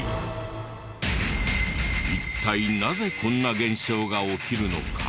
一体なぜこんな現象が起きるのか？